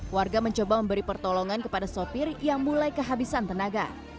warga mencoba memberi pertolongan kepada sopir yang mulai kehabisan tenaga